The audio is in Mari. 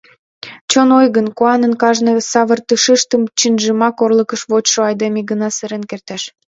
Чон ойгын, куанын кажне савыртышыштым чынжымак орлыкыш вочшо айдеме гына серен кертеш.